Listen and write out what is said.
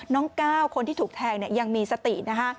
น้องก้าวคนที่ถูกแทงเนี่ยยังมีสตินะคะ